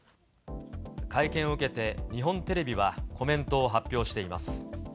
会見を受けて、日本テレビはコメントを発表しています。